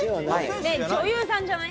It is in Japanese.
女優さんじゃない？